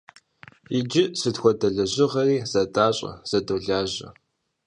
Иджы сыт хуэдэ лэжьыгъэри зэдащӀэ, зэдолажьэ.